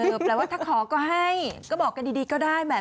แปลว่าถ้าขอก็ให้ก็บอกกันดีก็ได้แหม